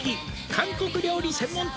韓国料理専門店に」